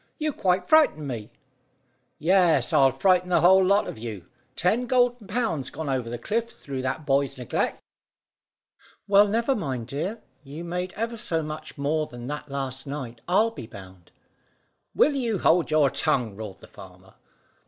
"You quite frightened me." "Yes, I'll frighten the whole lot of you. Ten golden pounds gone over the cliff through that boy's neglect." "Well, never mind, dear. You made ever so much more than that last night, I'll be bound!" "Will you hold your tongue?" roared the farmer.